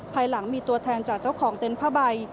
ภายหลังมีตัวแทนจากเจ้าของเต็นต์ผ้าใบ